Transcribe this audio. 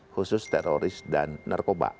khusus teroris dan narkoba